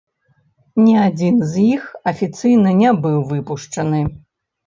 Ні адзін з іх афіцыйна не быў выпушчаны.